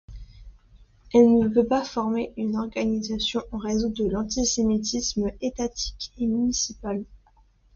Elle ne peut pas former une organisation en raison de l'antisémitisme étatique et municipale.